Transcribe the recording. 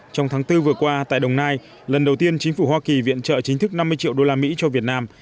trong tháng bốn vừa qua tại đồng nai lần đầu tiên chính phủ hoa kỳ viện trợ chính thức năm mươi triệu đô la mỹ cho việt nam